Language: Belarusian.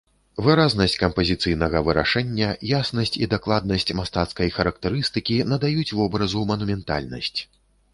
Выразнасць кампазіцыйнага вырашэння, яснасць і дакладнасць мастацкай характарыстыкі надаюць вобразу манументальнасць.